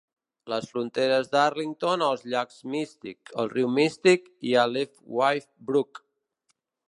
Les fronteres d'Arlington als llacs Mystic, el riu Mystic i Alewife Brook.